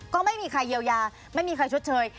ก็ไม่มีใครเยียวยาไม่มีใครชดเชย